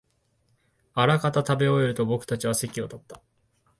あらかた食べ終えると、僕たちは席を立った